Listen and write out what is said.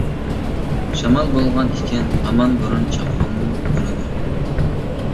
شامال بولغان ئىكەن ھامان بوران-چاپقۇنمۇ بولىدۇ.